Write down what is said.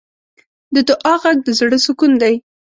د دعا غږ د زړۀ سکون دی.